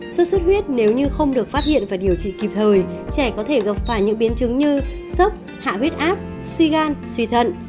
sốt xuất huyết nếu như không được phát hiện và điều trị kịp thời trẻ có thể gặp phải những biến chứng như sốc hạ huyết áp suy gan suy thận